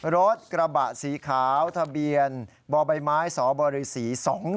รถกระบะสีขาวทะเบียนบใบไม้สบริษี๒๑